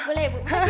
boleh ya bu